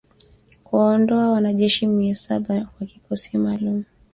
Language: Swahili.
kuwaondoa wanajeshi mia saba wa kikosi maalum